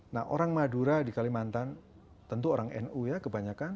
nah orang madura di kalimantan tentu orang nu ya kebanyakan